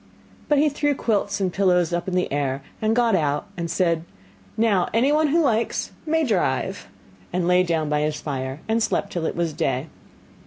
But he threw quilts and pillows up in the air, got out and said: 'Now anyone who likes, may drive,' and lay down by his fire, and slept till it was day.